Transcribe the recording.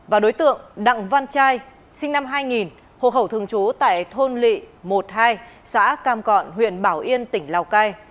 và đối tượng đặng văn trai sinh năm hai nghìn hộ khẩu thường trú tại thôn lị một hai xã cam cọn huyện bảo yên tỉnh lào cai